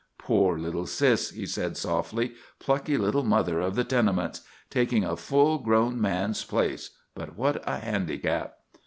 "Poor little sis!" he said, softly. "Plucky little mother of the tenements! Taking a full grown man's place! But what a handicap!"